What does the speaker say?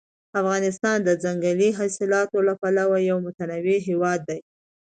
افغانستان د ځنګلي حاصلاتو له پلوه یو متنوع هېواد دی.